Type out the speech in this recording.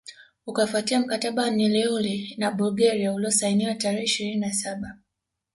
Ukafuatia mkataba wa Neuilly na Bulgaria uliosainiwa tarehe ishirini na saba